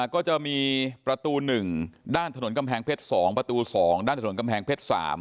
ก็จะมีประตู๑ด้านถนนกำแพงเพชร๒ประตู๒ด้านถนนกำแพงเพชร๓